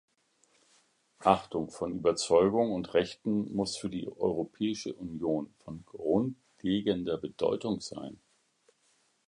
Achtung von Überzeugungen und Rechten muss für die Europäische Union von grundlegender Bedeutung sein.